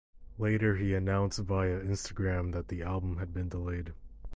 Later he announced via Instagram that the album had been delayed.